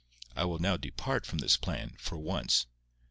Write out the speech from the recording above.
I will now depart from this plan—for once.